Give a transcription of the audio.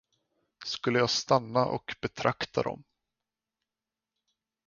Skulle jag stanna och betrakta dem.